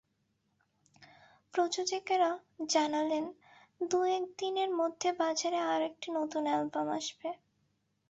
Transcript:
প্রযোজকেরা জানালেন, দু-এক দিনের মধ্যে বাজারে আরও কিছু নতুন অ্যালবাম আসবে।